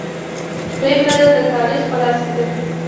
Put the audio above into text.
پریکړه د تاریخ په لاس کې ده.